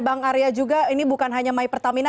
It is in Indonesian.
bang arya juga ini bukan hanya my pertamina